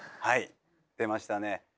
はい出ましたね。